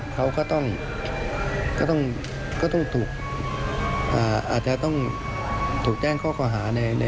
เขาก็ต้องถูกอาจจะต้องถูกแจ้งข้อก่อหา